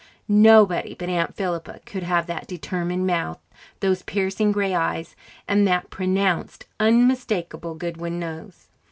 Nobody but Aunt Philippa could have that determined mouth, those piercing grey eyes, and that pronounced, unmistakable Goodwin nose.